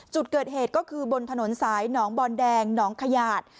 จุดเกิดเหตุก็คือบนถนนสายหนองบอนแดงหนองขยาด